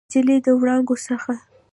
نجلۍ د وړانګو څخه